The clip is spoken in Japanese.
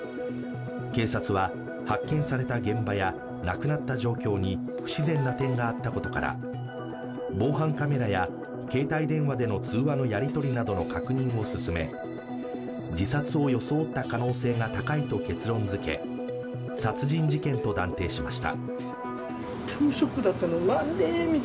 警察は発見された現場や亡くなった状況に不自然な点があったことから防犯カメラや携帯電話での通話のやり取りなどの捜査を進め自殺を装った可能性が高いと結論づけ、殺人事件と断定しました。